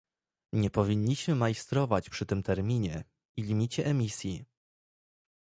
Nie powinniśmy majstrować przy tym terminie i limicie emisji